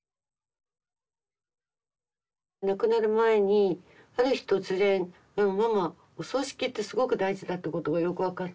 亡くなる前にある日突然「ママお葬式ってすごく大事だってことがよく分かった」と。